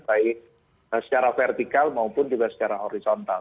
baik secara vertikal maupun juga secara horizontal